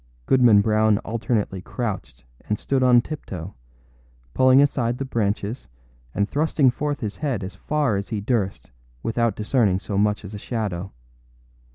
Goodman Brown alternately crouched and stood on tiptoe, pulling aside the branches and thrusting forth his head as far as he durst without discerning so much as a shadow.